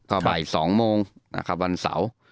ก็บ่าย๒โมงนะครับวันเสาร์